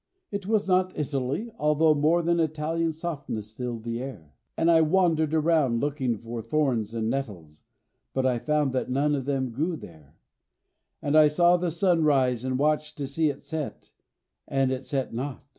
It was not Italy, although more than Italian softness filled the air. And I wandered around looking for thorns and nettles, but I found that none of them grew there; and I saw the sun rise and watched to see it set, but it set not.